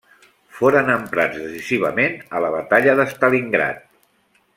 Foren emprats decisivament a la batalla de Stalingrad.